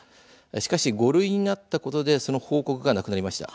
しかし５類になったことでその報告がなくなりました。